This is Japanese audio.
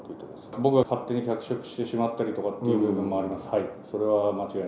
僕が勝手に脚色してしまったりとかっていう部分はあります。